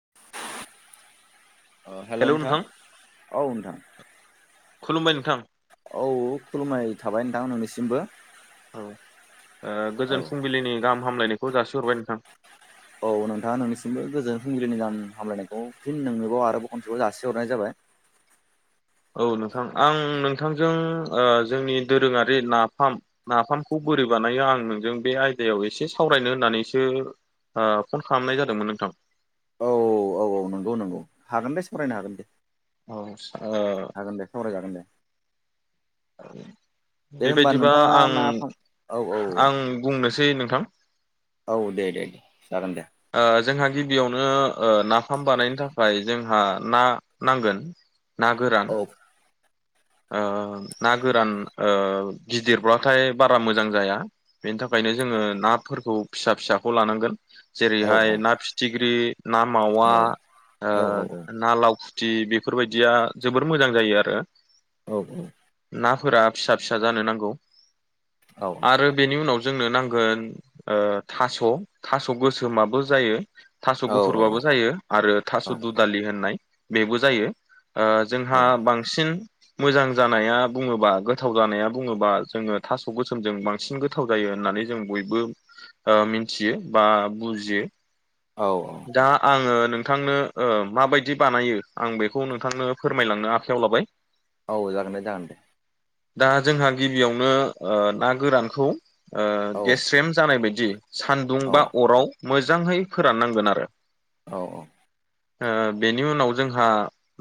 [unintelligible] अ हेल' नोंथां औ नोंथां खुलुमबाय नोंथां औ खुलुमबाय थाबाय नोंथां नोंनिसिमबो औ औ गोजोन फुंबिलिनि गाहाम हामलायनायखौ जासिहरबाय नोंथां औ नोंथाङा नोंनिसिमबो गोजोन फुंबिलिनि गाहाम हामलायनायखौ फिन नोंनोबाव आरो बाव खनसेबाव जासिहरनाय जाबाय [inaudible] औ नोंथां आं नोंथांजों ओ जोंनि दोरोङारि नाफाम नाफामखौ बोरै बानायो आं नोंजों बे आयदायाव एसे सावरायनो होननानैसो ओ फन खालामनाय जादोंमोन नोंथां औ औ औ नंगौ नंगौ हागोन दे सावरायनो हागोन दे औ ओ हागोन दे सावरायजागोन दे दे होमबा बेबायदिबा नोंथाङा आं नाफाम औ औ आं बुंनो -सै नोंथां औ दे दे दे जागोन दे ओ जोंहा गिबियावनो नाफाम बानायनो थाखाय जोंहा ना नांगोन ना गोरान औ ओ ना गोरान ओ गिदिरब्लाथाय बारा मोजां जाया बेनि थाखाय -खायनो जोङो नाफोरखौ फिसा फिसाखौ लानांगोन औ जेरैहाय ना फिथिख्रि ना मावा औ ओ औ ना लाव फुथि बेफोरबायदिया जोबोर मोजां जायो आरो औ औ नाफोरा फिसा फिसा जानो नांगौ औ आरो बेनि उनाव जोंनो नांगोन ओ थास' थास' गोसोमाबो जायो थास' औ गुफुरबाबो जायो आरो थास' दु दालि होननाय बेबो जायो ओ जोंहा बांसिन मोजां जानाया बुङोबा गोथाव जानाया बुङोबा जोङो थास' गोसोमजों बांसिन गोथाव जायो होननानै जों बयबो ओ मिथियो बा बुजियो दा आङो नोंथांनो ओ माबायदि बानायो आं बेखौ नोंथांनो फोरमायलांनो आखायाव लाबाय औ जागोन दे जागोन दे दा जोंहा गिबियावनो ओ ना गोरानखौ ओ औ गेस्रेम जानाय बायदि -दि सान्दुं औ बा अराव मोजाङै फोराननांगोन आरो औ औ ओ बेनि उनाव जोंहा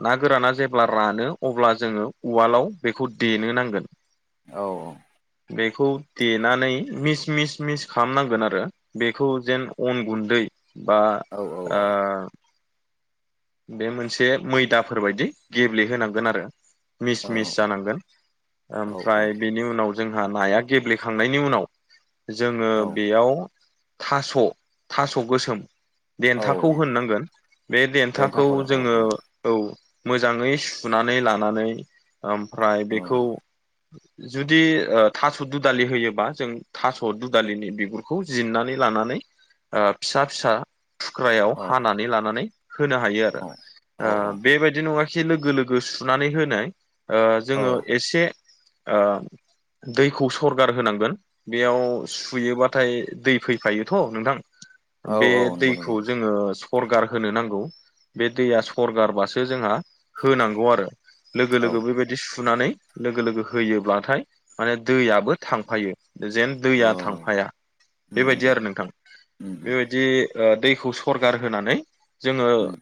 ना गोराना जेब्ला रानो अब्ला जोङो उवालाव बेखौ फुद देनो नांगोन औ बेखौ देनानै मिस मिस मिस खालामनांगोन आरो बेखौ जेन अन गुन्दै बा ओ बे मोनसे मैदाफोरबायदि गेब्लेहोनांगोन आरो। औ मिस औ मिस जानांगोन औ औ ओमफ्राय बेनि उनाव जोंहा नाया गेब्लेखांनायनि उनाव जोङो औ बेयाव थास' थास' गोसोम औ देन्थाखौ होनो नांगोन बे देन्था रेन्था खौ खरो औ जोङो औ मोजाङै सुनानै लानानै ओमफ्राय औ बेखौ जुदि थास' दुदालि होयोबा जों थास' दुदालिनि बिगुरखौ जिरनानै ला नानै फिसा-फिसा थुख्रायाव औ हानानै लानानै होनो हायो आरो औ बेबायदि नङा एसे लोगो लोगो सुनानै होनाय ओ औ जोङो एसे ओ दैखौ सरगार होनांगोन बेयाव सुयोबाथाय दै फैफायोथ' नोंथां। औ बे औ नंगौ नंगौ दैखौ जोङो सरगार होनो नांगौ। बे दैया सरगारबासो जोंहा होनांगौ आरो लोगो औ लोगो बेबायदि सुनानै लोगो लोगो होयोब्लाथाय माने दैयाबो थांफायो। जेन औ दैया थांफाया उम उम बेबायदि आरो नोंथां उम बेबायदि ओ दैखौ सरगार होनानै जोङो उम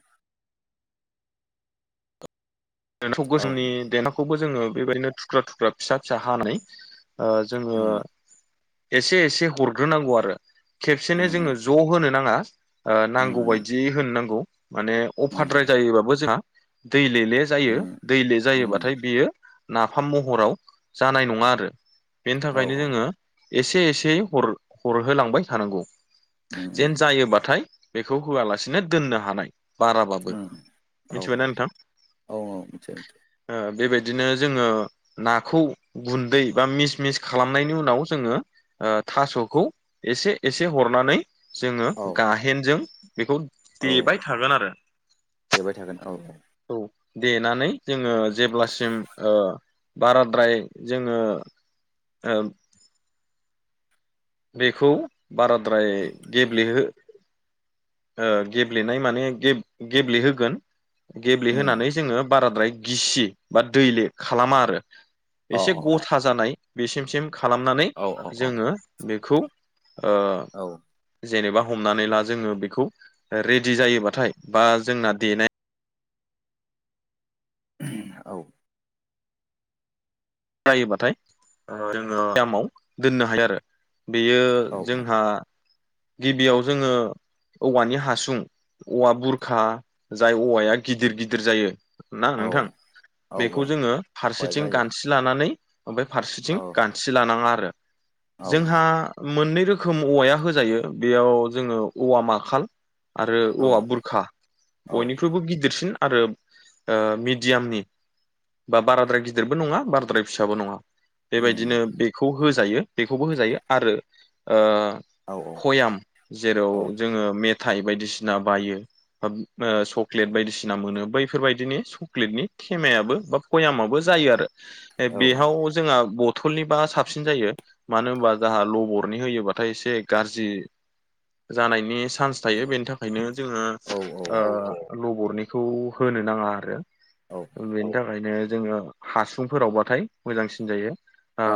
[inaudible] औ उम गोसोमनि देनाखौबो जोङो बेबायदिनो थुख्रा थुख्रा फिसा फिसा हानाय ओ जोङो उम एसे एसे हरग्रोनांगौ आरो खेबसेनो उम जोङो ज' होनो नाङा। ओ नांगौ बायदि होनो नांगौ माने उम अफाद्राय जायोबाबो जोंहा दैलेले जायो, उम दैले जायोबाथाय बेयो नाफाम महराव जानाय नङा आरो। बेनि औ थाखायनो जोङो एसे एसेयै हरहोलांबाय थानांगौ। उम जेन जायोबाथाय बेखौ होआलासिनो दोननो हानाय बाराबाबो उम औ मिथिबायना नोंथां? औ मिथिबाय ओ बेबायदि नो जोङो नाखौ गुन्दै बा मिस मिस खालामनायनि उनाव जोङो ओ थास'खौ एसे एसे हरनानै जोङो औ गाहेनजों बेखौ औ देबाय थागोन आरो देबाय थागोन औ औ। देनानै जोङो जेब्लासिम ओ बाराद्राय जोङो ओ। बेखौ बाराद्राय गेब्लेहो ओ गेब्लेनाय माने गेब्लेहोगोन। उम गेब्लेहोनानै जोङो बाराद्राय गिसि बा दैले खालामा आरो। अ एसे गथा जानाय बेसिमसिम खालामनानै अ औ औ जोङो बेखौ ओ। औ जेनेबा हमनानै ला जोङो बेखौ रेडि जायोबाथाय बा जोंना देनाय औ। जायोबाथाय जोङो [inaudible] माव दोननो हायो आरो बेयो औ जोंहा गिबियाव जोङो औवानि हासुं, औवा बुरखा जाय औवाया गिदिर गिदिर जायो। ना औ नोंथां बेखौ हौवाया जोङो फारसेथिं जायो गानथि लानानै ओमफ्राय फारसेथिं औ गानथि लानाङा आरो औ जोंहा मोननै रोखोम औवाया होजायो बेयाव जोङो औवा माखाल आरो औ औवा बुरखा औ बयनिख्रुइबो गिदिरसिन। आरो मिडियामनि बा बाराद्राय गिदिरबो नङा बाराद्राय फिसाबो नङा। उम बेबायदिनो बेखौ होजायो बेखौबो होजायो आरो ओ औ पयाम जेराव औ जोङो मे थाइ बायदिसिना बाइयो बा सक्लेट बायदिसिना मोनो बैफोरबायदिनि सक्लेटनि थेमायाबो बा पयामाबबो जायो आरो, औ औ बेयाव जोंहा बथलनिबा साबसिन जायो। मानो होनबा जाहा लबरनि होयोबाथाय एसे गाज्रि जानायनि चान्स थायो बेनि थाखायनो जोङो औ ओ लबरनिखौ होनो नाङा आरो। औ बेनि थाखायनो जोङो हासुंफोरावबाथाय मोजांसिन जायो ओ औ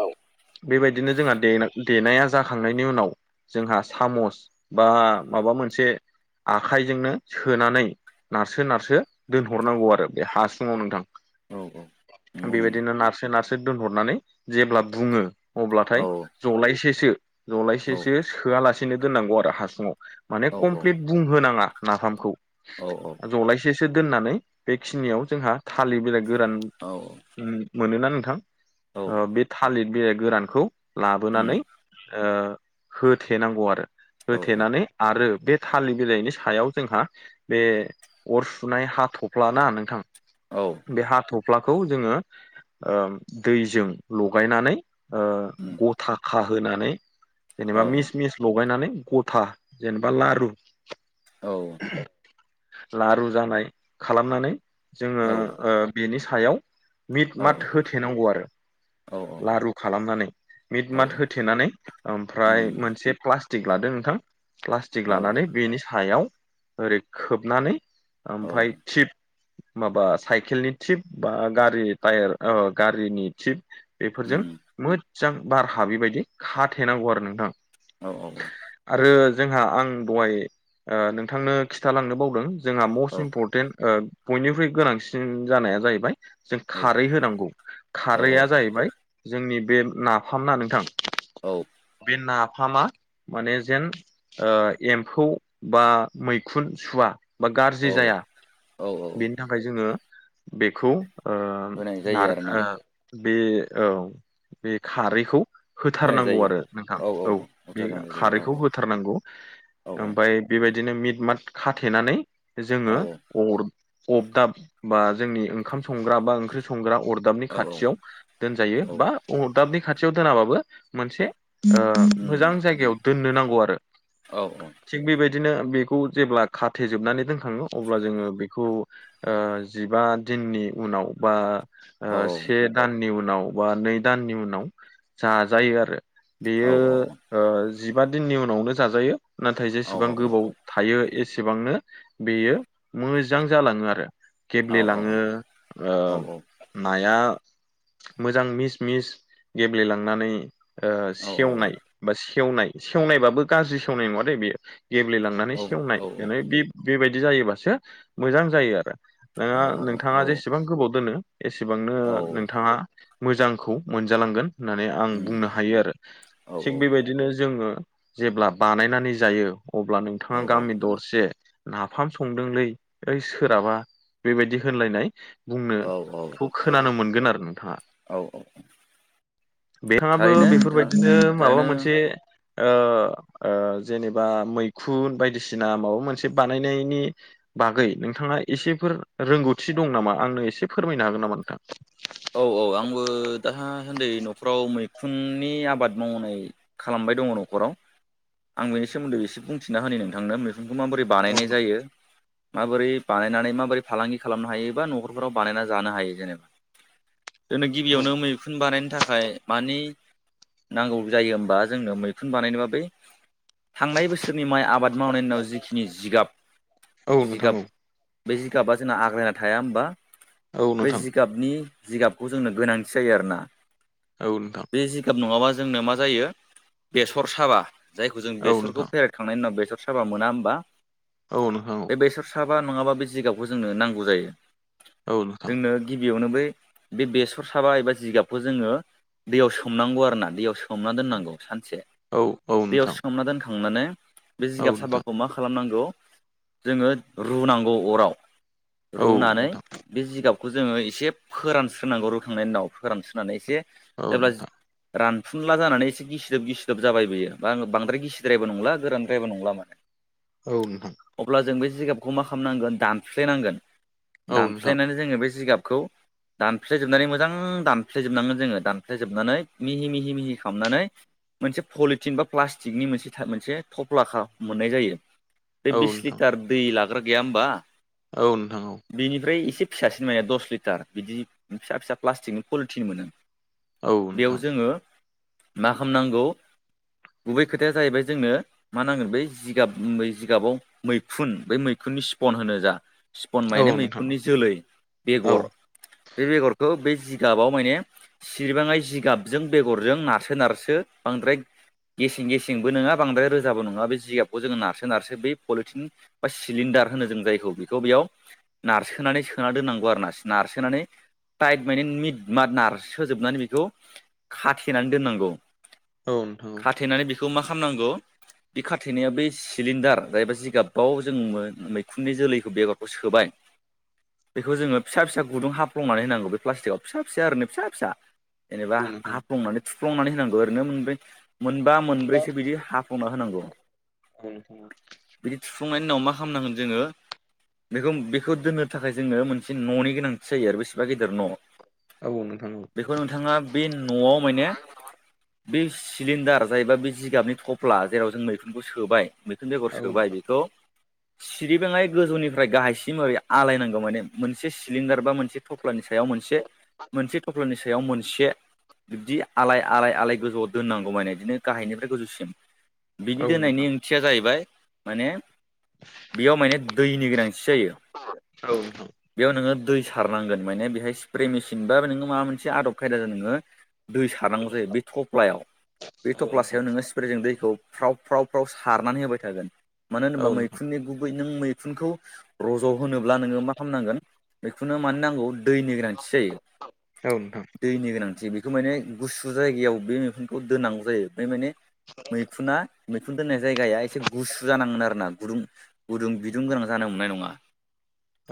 औ बेबायदिनो जोंहा देना देनाया जाखांनायनि उनाव जोंहा सामुस बा माबा मोनसे आखाइजोंनो सोनानै नारसो नारसो दोनहरनांगौ आरो बे हासुङाव नोंथां औ औ। नंगौ नंगौ बेबायदिनो नारसो नारसो दोनहरनानै जेब्ला बुङो औ अब्लाथाय जलायसेसो औ जलायसेसो सोआलासेनो दोननांगौ आरो हासुंआव माने औ कमप्लिट बुंहोनाङा नाफामखौ औ जलायसे सो दोननानै बेखिनियाव जोंहा थालिर बिलाइ गोरान औ मोनोना नोंथां औ ओ बे थालिर बिलाइ गोरानखौ लाबोनानै उम ओ होथेनांगौ आरो औ होथेनानै आरो बे थालिर बिलाइनि सायाव जोंहा बे अर सुनाय हाथफ्लाना नोंथां औ बे हाथ'फ्लाखौ जोङो ओम दैजों लगायनानै ओ उम गथा खाहोनानै औ जेनेबा मिस मिस लगायनानै गथा जेनेबा लारु औ। लारु जानाय खालामनानै जोङो औ ओ बेनि सायाव मिट औ मात होथेनांगौ आरो औ लारु खालामनानै मिट उम औ उम औ मात होथेनानै ओमफ्राय मोनसे प्लास टिक लादो नोंथां प्लाटिक लानानै बेनि सायाव ओरै खोबनानै ओमफाय थिप माबा साइकेलनि थिप बा गारि टायार ओ गारिनि थिप बेफोरजों मो जां बारहाबि बादि खाथे नांगौ आरो नोंथां। औ औ औ। आरो जोंहा आं दहाय ओ नोंथांनो खिथालांनो बावदों जोंहा मस्ट इम्परटेन्ट ओ बयनिख्रुइ गोनांसिन जानाया जाहैबाय जों खारै होनांगौ खारैया जाहैबाय जोंनि बे नाफाम ना नोंथां औ बे ना फामा माने जेन ओ एम्फौ बा मैखुन सुवा बा गाज्रि जाया औ औ बेनि थाखाय जोङो बेखौ ओ होनाय जायो आरोना नारहो बे औ बे खारैखौ होनाय होथारनांगौ जायो आरो नोंथां औ बे बुथारनांगौ जायो औ खारैखौ होथारनांगौ औ ओमबाय बेबायदिनो मिट मात खाथेनानै औ जोङो अर अबदाब बा जोंनि ओंखाम संग्राबा ओंख्रि संग्रा अरदाबनि औ खाथियाव दोजायो औ बा अदाबनि खा थियाव दोनाबाबो मोनसे ओ उम मोजां जायगायाव दोननो नांगौ आरो औ औ। बिदिनो बेखौ जेब्ला खाथेेजोबनानै दोनखाङो अब्ला जोङो बेखौ ओ जिबा दिननि उनाव बा औ ओ से दान नि उनाव बा नै दाननि उनाव जाजायो आरो औ बेयो ओ जिबा दिननि उनावनो जाजायो नाथाय जेसेबां औ गोबाव थायो एसेबांनो बेयो मोजां जालाङो आरो औ औ गेब्लेलाङो औ औ ओ नाया मोजां मिस मिस गेब्लेलांनानै ओ औ सेवनाय बा सेवनाय सेवनायबाबो गाज्रि सेवनाय नङा दैे बियो गेब्लेेलांनानै सेवनाय औ माने बे बेबायदि जायोबासो मोजां जायो आरो नोंङा औ नोंथाङा जेसेबां गोबाव दोनो एसेबांनो औ उम औ नोंथाङा मोजांखौ मोनजालांगोन होननानै आं बुंनो हायो आरो थिग बेबायदिनो जोङो जेब्ला बानायनानै जायो अब्ला नोंथाङा गामि दरसे नाफाम संदोंलै ओइ सोराबा बेबायदि होनलायनाय औ बुंनोखौ औ खोनानो मोनगोन आरो नोंथाङा । औ बिथाङाबो थारैनो नोंथां बेफोरबायदिनो माबा थारैनो मोनसे ओ ओ ओ जेनेबा मैखुन बायदिसिना माबा मोनसे बानायनायनि बागै नोंथाङा ए सेफोर रोंगौथि दं नामा आंनो एसे फोरमायनो हागोन नामा नोंथां? औ औ आंबो दा सान्दै न'खराव मैखुननि आबाद मावनाय खालाम बाय दङ न'खराव आं बेनि सोमोन्दै एसे बुंथिना होनि नोंथांनो बिखौ माबोरै औ बानायनाय जायो माबोरै बानायनानै माबोरै फालांगि खालामनो हायो एबा न'खरफोराव बानायना जानो हायो जेनेबा दिनै गिबियावनो मैखुन बानायनो था खाय मानि नांगौ जायो होमबा जोंनो मैखुन बानायनोबा बै थांनाय बोसोरनि माइ आबाद मावनायनि उनाव जिखिनि जिगाब नोंथां जिगाब औ बे जिगाबा जोंना आग्लायना थाया होमबा औ बे नोंथां जिगाबनि जिगाबखौ जोंनो गोनांथि जायो आरोना । औ औ नोंथां बे जिगाब नङाबा जोंनो मा जायो बेसर साबा जायखौ जों औ बेसरखौ नोंथां फेरखांनायनि उनाव बेसर साबा मोना होनबा औ नोंथां बे बेसर साबा नङाबा बे जिगाबखौ जोंनो नांगौ जायो औ । नोंथां जोंनो गिबियावनो बै बे बेसर साबा एबा जिगाबखौ जोङो दैयाव सोमनांगौ आरो ना दैयाव सोमना दोननांगौ सान से औ औ दैयाव नोंथां सोमना दोनखांनानै बे औ नोंथां औ जिगाब नोंथां साबाखौ मा खालामनांगौ जोङो रुनांगौ अराव औ नोंथां औ रुनानै नोंथां औ नोंथां बे जिगाब बेखौ जोङो एसे फोरानस्रोनांगौ रुखांनायनि उनाव फोरानस्रोननानै एसे जेब्ला रान फुनला जानानै एसे गिसिदोब गिसिदोब जाबाय बियो बा आ बांद्राय गिसिद्रायबो नंला गोरानद्रायबो नंला माने औ नोंथां अब्ला जों बे जिगाबखौ मा खालामनांगोन दानफ्लेनांगोन दानफ्लेनानै जोङो बे जिगाबखौ दानफ्लेजोबनानै मोजां दानफ्लेजोबनांगोन जोङो दानफ्लेजोबनानै मिहि मिहि मिहि खालामामनानै मोनसे पलिथिन बा प्लास्टिकनि मोनसे मोनसे थफ्ला खा मोननाय जायो बे बिस लिटार दै लाग्रा गैया होनबा बिनिफ्राय एसे फिसासिन मया दस लिटार बिदि फिसा फिसा प्लास्टिकनि पलिटिन मोनो औ । बेयाव नोंथां जोङो मा खालामनांगौ गुबै खोथाया जाहैबाय जोंनो मा नांगोन बै जिगाब जिगाबाव मैखुन बै मै मैखुननि सिपन होनो जा सिपन औ माने नोंथां औ नोंथां औ नोंथां औ नोंथां औ नोंथां औ मैखुननि जोलै बेगर बे बेगरखौ बे जिगाबाव माने सिरबाङै जिगाबजों बेगरजों नारसो नारसो बांद्राय गेसें गेसेंबो नंङा बांद्राय रोजाबो नङा बे जिगाबखौ जोङो नारसो नारसो बै पलिटिन बा सिलिण्ड डार होनो जों जायखौ बेखौ बेयाव नारसोनानै सोना दोननांगौ आरोना नारसोनानै टाइट माने मिट माद नार सोजोबनानै बेखौ खाथेनानै दोननांगौ । औ नोंथां औ । बेखौ मा खालामनांगौ बे खाथेनाया बे सिलिण्डार जायबा जिगाबाव जों मैखुननि जोलैखौ बेगरखौ सोबाय [inaudible] बेखौ जोङो फिसा फिसा गुदुं हाफ्लंनानै होनांगौ बे प्लास्टिकआव फिसा फिसा ओरैनो फिसा फिसा जेनेबा औ नोंथां औ हाफ्लंनानै थु थुफ्लंनानै होनांगौ ओरैनो मोनब्रै, मोनबा मोनब्रैसो बिदि हाफ्लंना होनांगौ । बिदि थुफुंनायनि उनाव मा खालामनांगोन जोङो बेखौ बेखौ दोननो थाखाय जोङो मोनसे न'नि गोनांथि जायो आरो बेसेबा गिदिर न' औ नोंथां औ बेखौ नोंथाङा बे न'आव माने बे सिलिणडार जायबा बे जिगाबनि थफ्ला जेराव जों मैखुनखौ सोबाय मैखुन बेगर औ सोबाय नोंथां बेखौ सिरिबाङै गोजौनिफ्राय गाहायसिम ओरै आलायनांगौ माने मोनसे सिलिंदार [unintelligible] मोनसे थफ्लानि सायाव मोनसे मोनसे थफ्लानि सायाव मोनसे । बिब्दि आलाय आलाय आलाय गोजौआव दोननांगौ माने बिदिनो गाहायनिफ्राय गोजौसिम । बिनि औ नोंथां दोननायनि ओंथिया जाहैबाय माने बेयाव माने दैनि गोनांथि जायो औ नोंथां बेयाव नोङो दै सारनांगोन माने बेहाय स्प्रे मेसिन बा नोङो माबा मोनसे आदब खायदा जों नोङो दै सारनांगौ जायो बे थफ्लायाव बे औ थफ्ला नोंथां सायाव नोङो स्प्रेजों दैखौ फ्राव फ्राव फ्राव सारनानै होबाय थागोन मानो होनोबा औ नोंथां मैखुननि गुबै नों मैखुनखौ रज' होनोब्ला नोङो मा खालामनांगोन मैखुननो मा नांगौ दैनि गोनांथि जायो औ नोंथां दैनि गोनां थि बेखौ माने गुसु जायगायाव बे मैखुनखौ दोननांगौ जायो बे माने मैखुना मैखुन दोननाय जायगाया एसे गुसु जानांगोन आरो ना गुदुं गुदुं बिदुं गोनां जानो मोननाय नङा । ओ